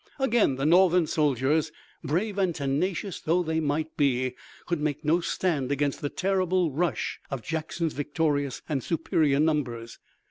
Again the Northern soldiers, brave and tenacious though they might be, could make no stand against the terrible rush of Jackson's victorious and superior numbers.